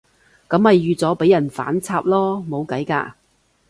噉咪預咗畀人反插囉，冇計㗎